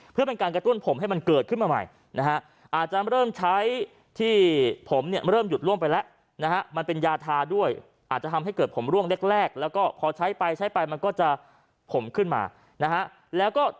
เพื่อเป็นการกระตุ้นผมให้มันเกิดขึ้นมาใหม่อาจจะเริ่มใช้ที่ผมเริ่มหยุดร่วงไปแล้ว